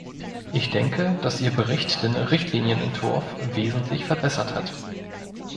Ich denke, dass ihr Bericht den Richtlinienentwurf wesentlich verbessert hat.